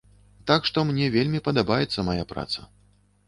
Так што мне вельмі падабаецца мая праца.